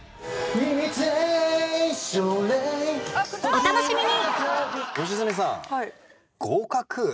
お楽しみに！